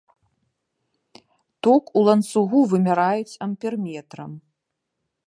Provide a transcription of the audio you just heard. Ток у ланцугу вымяраюць амперметрам.